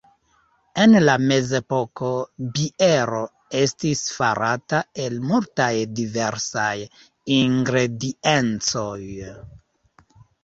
En la mezepoko biero estis farata el multaj diversaj ingrediencoj.